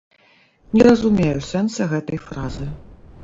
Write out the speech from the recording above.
Не разумею сэнса гэтай фразы.